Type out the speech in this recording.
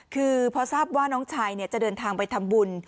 คือพอทราบว่าน้องชายจะเดินทางไปทำบุญ